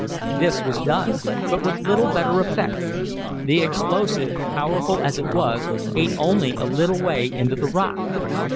This was done, but with little better effect. The explosive, powerful as it was, ate only a little way into the rock.